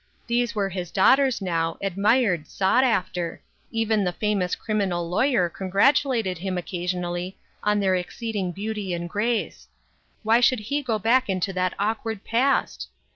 These were his daugh ters now, admired, sought after ; even the famous criminal lawyer congratulated him occasionally on their exceeding beauty and grace ; why should he go back into that awkward past